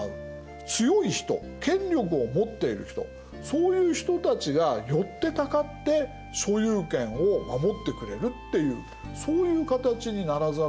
強い人権力を持っている人そういう人たちが寄ってたかって所有権を守ってくれるっていうそういう形にならざるをえない。